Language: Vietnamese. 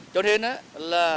cho nên là